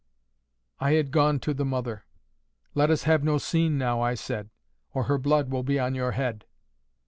"I had gone to the mother. "'Let us have no scene now,' I said, 'or her blood will be on your head.